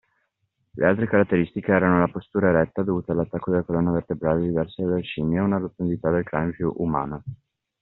Le altre caratteristiche erano la postura eretta dovuta all'attacco della colonna vertebrale diverso dalle scimmie e una rotondità del cranio più “umana”.